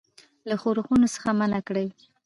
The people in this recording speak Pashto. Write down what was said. له ښورښونو څخه منع کړي.